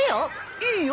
いいよ。